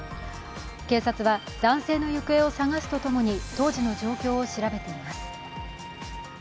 警察は男性の行方を捜すと共に、当時の状況を調べています。